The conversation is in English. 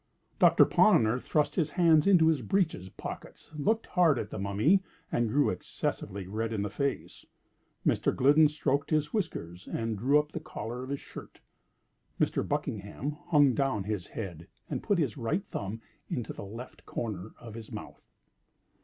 Doctor Ponnonner thrust his hands into his breeches' pockets, looked hard at the Mummy, and grew excessively red in the face. Mr. Glidden stroked his whiskers and drew up the collar of his shirt. Mr. Buckingham hung down his head, and put his right thumb into the left corner of his mouth.